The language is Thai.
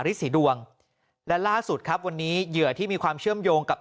สีดวงและล่าสุดครับวันนี้เหยื่อที่มีความเชื่อมโยงกับ